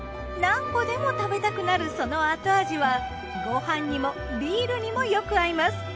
何個でも食べたくなるその後味はご飯にもビールにもよく合います。